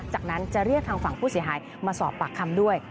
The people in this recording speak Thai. จากนั้นจะเรียกทางฝั่งผู้เสียหายมาสอบปากคำด้วย